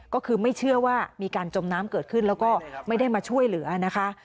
ก็คือไม่เชื่อว่ามีการจมน้ำเกิดขึ้นแล้วก็ไม่ได้มาช่วยเหลือนะคะ